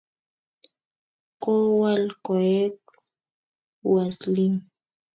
kowal koek Uaslim